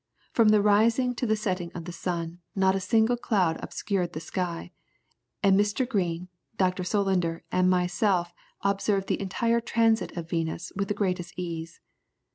From the rising to the setting of the sun, not a single cloud obscured the sky, and Mr. Green, Dr. Solander, and myself, observed the entire transit of Venus with the greatest ease.